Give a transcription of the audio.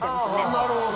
なるほど。